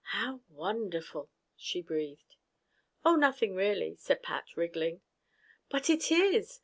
"How wonderful!" she breathed. "Oh, nothing, really," said Pat, wriggling. "But it is!